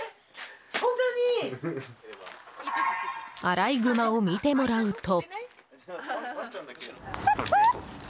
アライグマを見てもらうと。